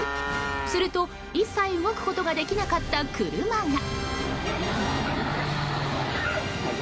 すると、一切動くことができなかった車が。